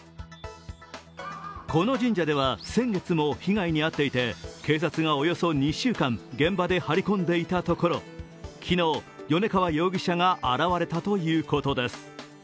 この神社では先月も被害に遭っていて、警察がおよそ２週間、現場で張り込んでいたところ、昨日、米川容疑者が現れたということです。